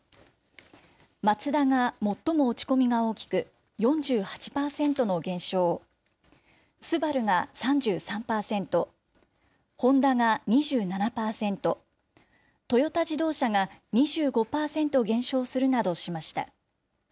マツダが最も落ち込みが大きく４８％の減少、ＳＵＢＡＲＵが３３％、ホンダが２７％、トヨタ自動車が２５％減少するなどしました。